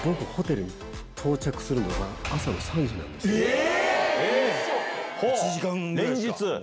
え